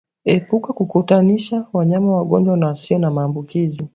Epuka kukutanisha wanyama wagonjwa na wasio na maambukizi